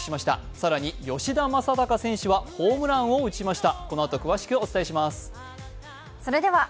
更に吉田正尚選手はホームランを打ちました。